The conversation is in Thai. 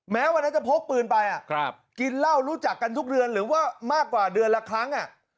แม้วันนี้จะพลบปืนไป